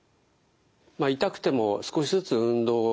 痛くても少しずつ運動をすればですね